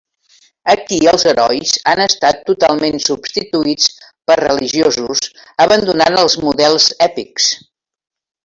Aquí els herois han estat totalment substituïts per religiosos, abandonant els models èpics.